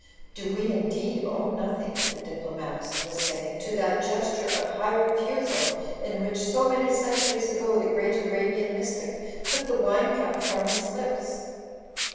"... do we indeed owe nothing," the diplo matist was saying "to that gesture of high refusal in which so many centuries ago the great Arabian mystic put the wine cup from his lips?